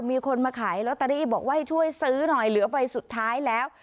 มีคนมาขายลอตเตอรี่บอกว่าให้ช่วยซื้อหน่อยเหลือใบสุดท้ายแล้ว